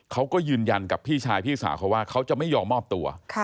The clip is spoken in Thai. เขาก็ยืนยันกับพี่ชายพี่สาวเขาว่าเขาจะไม่ยอมมอบตัว